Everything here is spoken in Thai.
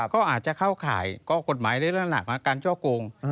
ก็อาจจะเข้าขายก็กฎหมายเรื่องหลักความการเจาะโกง